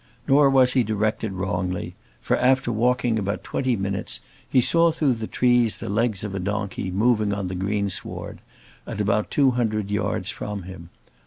Nor was he directed wrongly; for after walking about twenty minutes, he saw through the trees the legs of a donkey moving on the green sward, at about two hundred yards from him.